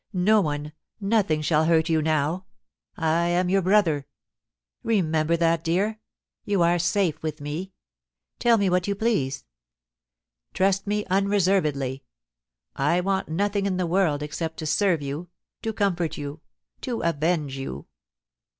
No one, nothing shall hurt you now. 1 am your brother; remember that, dear. You are safe with me. Tell me what you please. Trust me unreservedly. I want nothing in the world except to serve you, to comfort you, to avenge you.